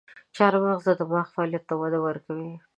چارمغز د دماغ فعالیت ته وده ورکوي.